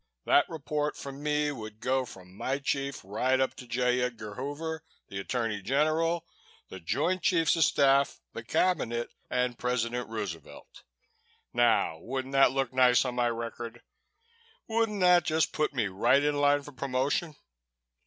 That report from me would go from my chief right up to J. Edgar Hoover, the Attorney General, the Joint Chiefs of Staff, the Cabinet and President Roosevelt. Now, wouldn't that look nice on my record? Wouldn't that just put me right in line for promotion?